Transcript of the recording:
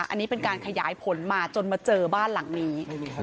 อันนี้เป็นการขยายผลมาจนมาเจอบ้านหลังนี้